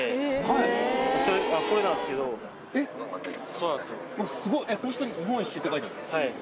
そうなんですよ。